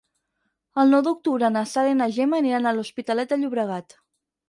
El nou d'octubre na Sara i na Gemma aniran a l'Hospitalet de Llobregat.